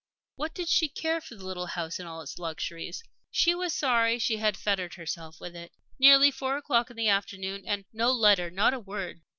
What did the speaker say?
What did she care for the little house and all its luxuries! She was sorry that she had fettered herself with it.... Nearly four o'clock in the afternoon, and no letter not a word!